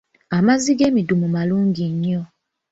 Amazzi g'emidumu malungi nnyo.